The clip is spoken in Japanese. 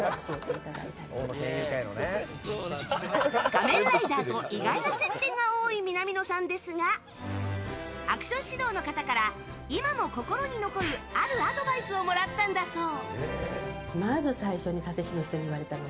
「仮面ライダー」と意外な接点が多い南野さんですがアクション指導の方から今も心に残る、あるアドバイスをもらったんだそう。